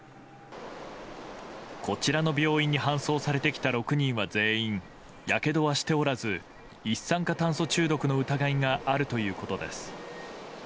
こちらの病院に搬送されてきた６人は全員やけどはしておらず一酸化炭素中毒の疑いがあるということです。